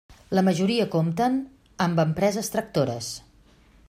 La majoria compten amb empreses tractores.